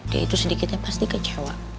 ya itu sedikitnya pasti kecewa